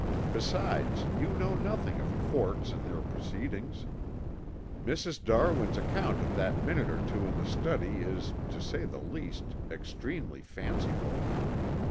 Besides you know nothing of courts and their proceedings. Mrs. Darwin's account of that minute or two in the study is, to say the least, extremely fanciful."